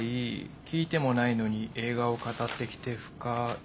「聞いてもないのに映画を語ってきて不快」。